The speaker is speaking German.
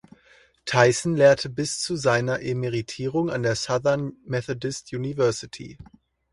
Tyson lehrte bis zu seiner Emeritierung an der Southern Methodist University.